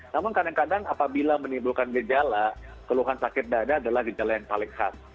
namun kadang kadang apabila menimbulkan gejala keluhan sakit dada adalah gejala yang paling khas